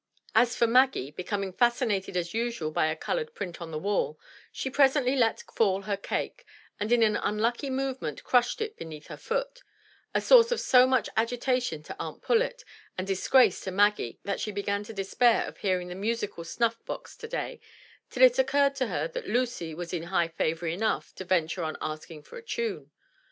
As for Maggie, becoming fascinated as usual by a colored print on the wall, she presently let fall her cake, and in an unlucky movement crushed it beneath her foot, — a source of so much agitation to Aunt Pullet and disgrace to Maggie that she began to despair of hearing the musical snuff box today, till it occurred to her that Lucy was in high favor enough to venture on asking for a tune.